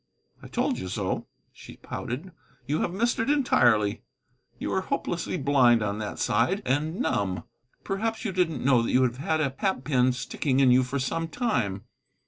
"I told you so," she pouted; "you have missed it entirely. You are hopelessly blind on that side, and numb. Perhaps you didn't know that you have had a hat pin sticking in you for some time."